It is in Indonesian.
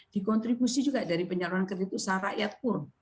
dikontribusi juga dari penyaluran kredit usaha rakyat pun